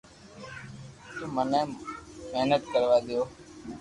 تو مني محنت ڪروا ديو